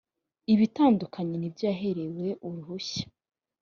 ibitandukanye n ibyo yaherewe uruhushya